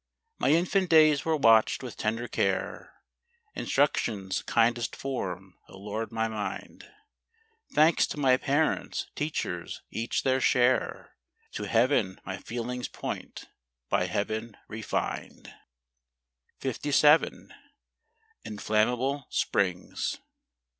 My infant days were watched with tender care, Instruction's kindest form allured my mind : Thanks to my parents, teachers, each their share; To heaven my feelings point, by heaven refined. 57. Inflammable Springs.